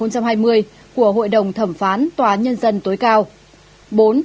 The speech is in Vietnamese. của hội đồng thẩm phán tòa nhân dân tối cao